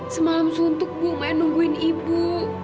semalam suntuk bu main nungguin ibu